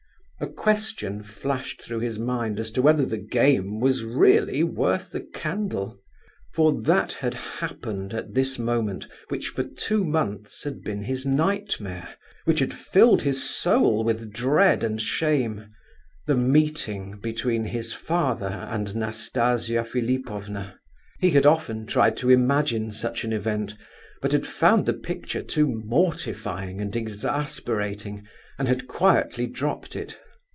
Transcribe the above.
A question flashed through his mind as to whether the game was really worth the candle. For that had happened at this moment, which for two months had been his nightmare; which had filled his soul with dread and shame—the meeting between his father and Nastasia Philipovna. He had often tried to imagine such an event, but had found the picture too mortifying and exasperating, and had quietly dropped it.